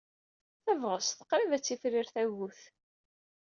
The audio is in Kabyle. Tabɣest! Qrib ad tifrir tagut.